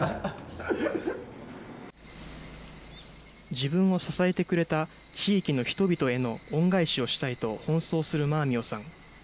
自分を支えてくれた地域の人々への恩返しをしたいと奔走するマーミヨさん。